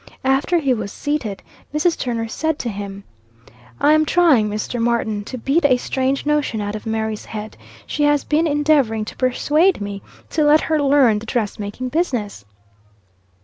After he was seated. Mrs. Turner said to him "I am trying, Mr. Martin, to beat a strange notion out of Mary's head. She has been endeavouring to persuade me to let her learn the dress making business."